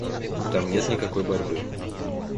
Там нет никакой борьбы.